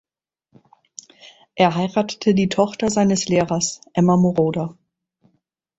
Er heiratete die Tochter seines Lehrers, Emma Moroder.